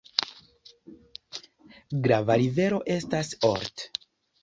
Grava rivero estas Olt.